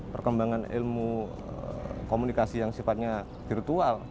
perkembangan ilmu komunikasi yang sifatnya virtual